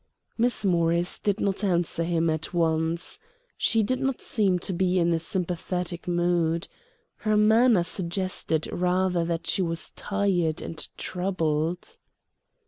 Miss Morris did not answer him at once. She did not seem to be in a sympathetic mood. Her manner suggested rather that she was tired and troubled.